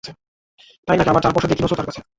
তাই নাকি, আবার চার পয়সা দিয়ে কিনোচে তার কাছে।